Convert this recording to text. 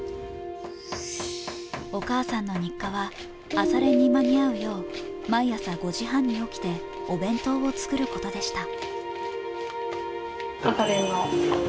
お母さんの日課は朝練に間に合うよう毎朝５時半に起きて、お弁当を作ることでした。